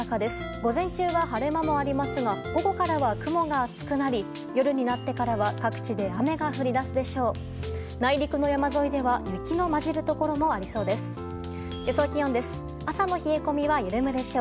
午前中は晴れ間もありますが午後からは雲が厚くなり夜になってからは各地で雨が降り出すでしょう。